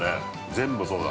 全部そうだ。